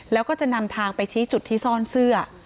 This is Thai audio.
แล้วก็จะนำทางไปชี้จุดที่ซ่อนเสื้อ